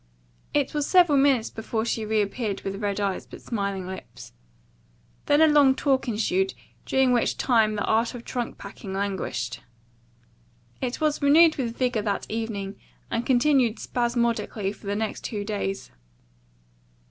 It was several minutes before she reappeared with red eyes, but smiling lips. Then a long talk ensued, during which time the art of trunk packing languished. It was renewed with vigor that evening and continued spasmodically for the next two days.